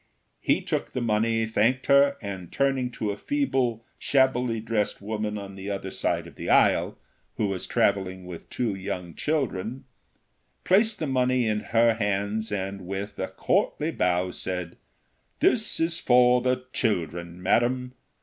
He took the money, thanked her, and turning to a feeble, shabbily dressed woman on the other side of the aisle, who was traveling with two young children, placed the money in her hands, and, with a courtly bow, said: "This is for the children, madam!